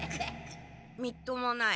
みっともない。